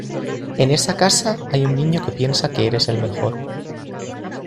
En esa casa hay un niño que piensa que eres el mejor.